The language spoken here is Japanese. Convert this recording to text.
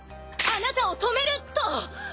あなたを止めると！